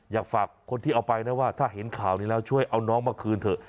อยากฝากคนที่เอาไปนะว่าถ้าเห็นข่าวนี้แล้วช่วยเอาน้องมาคืนเถอะ